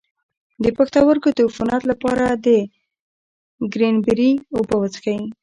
د پښتورګو د عفونت لپاره د کرینبیري اوبه وڅښئ